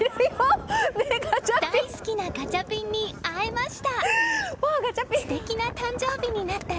大好きなガチャピンに会えました。